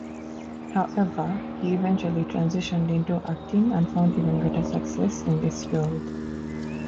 However, he eventually transitioned into acting and found even greater success in this field.